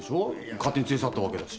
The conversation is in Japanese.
勝手に連れ去ったわけだし。